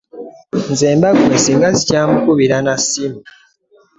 Nze mba ggwe ssinga ssikyamukubira na ssimu.